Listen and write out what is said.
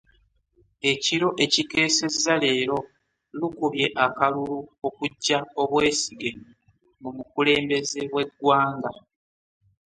Ekiro ekikeesezza leero lukubye akalulu okujja obwesige mu mukulembeze w'eggwanga